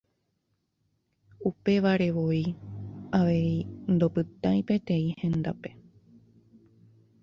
Upevarevoi avei ndopytái peteĩ hendápe.